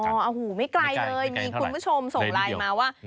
คุณผู้ชมส่งแรนท์มาว่า